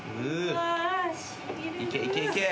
いけいけいけ！